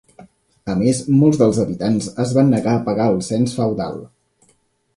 A més, molts dels habitants es van negar a pagar el cens feudal.